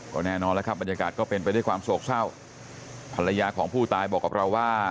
ก็แน่นอนแล้วครับบรรยากาศก็เป็นไปด้วยความโศกเศร้าภรรยาของผู้ตายบอกกับเราว่า